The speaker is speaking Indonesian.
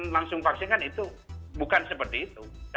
dan langsung vaksin kan itu bukan seperti itu